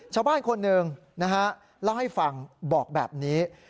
ชาวบ้านคนหนึ่งนะฮะเล่าให้ฟังบอกแบบนี้